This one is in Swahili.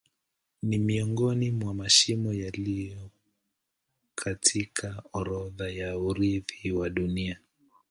Ni miongoni mwa mashimo yaliyo katika orodha ya urithi wa Dunia.